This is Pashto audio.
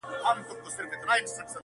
ته راته وعده خپل د کرم راکه-